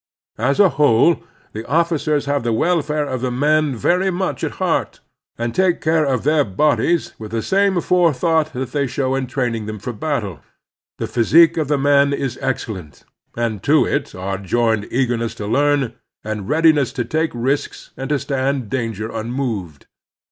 As a whole, the officers have the welfare of the men very much at heart, and take care of their bodies with the same forethought that they show in train ing them for battle. The physique of the men is excellent, and to it are joined eagerness to leam, and readiness to take risks and to stand danger tmmoved.